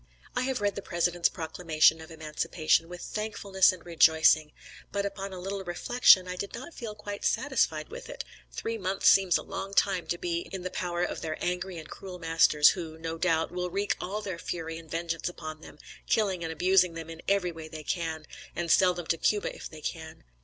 I have read the President's proclamation of emancipation, with thankfulness and rejoicing; but upon a little reflection, I did not feel quite satisfied with it; three months seems a long time to be in the power of their angry and cruel masters, who, no doubt, will wreak all their fury and vengeance upon them, killing and abusing them in every way they can and sell them to Cuba if they can.